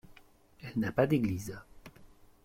Elle n'a pas d'église.